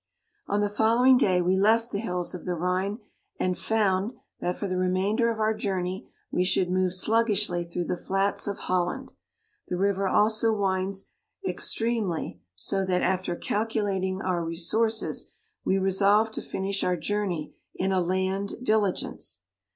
71 On the following day we left the hills of the Rhine, and found that, for the remainder of our journey, we should move sluggishly through the flats of Holland: the river also winds extreme ly, so that, after calculating our re sources, we resolved to finish our jour ney in a land diligence.